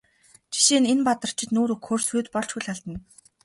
Жишээ нь энэ Бадарчид нүүр өгөхөөр сүйд болж хөл алдана.